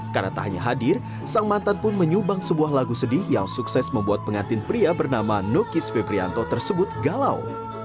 karena tak hanya hadir sang mantan pun menyubang sebuah lagu sedih yang sukses membuat pengantin pria bernama nokis veprianto tersebut galau